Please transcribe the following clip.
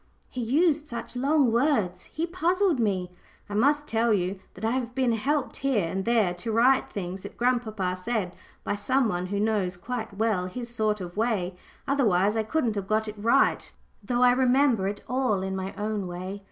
He used such long words, he puzzled me. (I must tell you that I have been helped here and there to write things that grandpapa said by some one who knows quite well his sort of way, otherwise I couldn't have got it quite right, though I remember it all in my own way.)